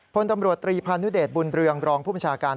พลตำรวจตรีพานุเดชบุญเรืองรองผู้บัญชาการ